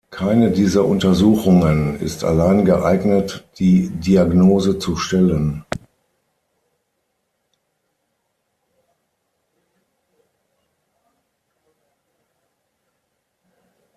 Keine dieser Untersuchungen ist allein geeignet, die Diagnose zu stellen.